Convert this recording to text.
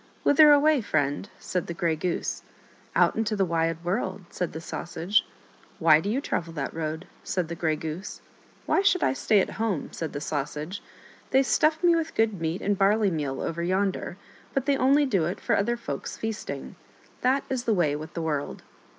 " Whither away, friend ?" said the Grey Goose. " Out into the wide world," said the Sausage. " Why do you travel that road ?" said the Grey Goose, " Why should I stay at home ?" said the Sausage. " They stuff me with good meat and barley meal over yonder, but they only do it for other folk's feasting. That is the way with the world."